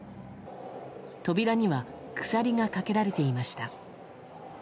扉には鎖がかけられていました。